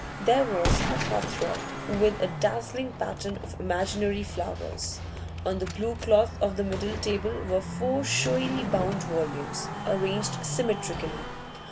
There was a hearthrug with a dazzling pattern of imaginary flowers. On the blue cloth of the middle table were four showily bound volumes, arranged symmetrically.